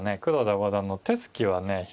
黒田五段の手つきはね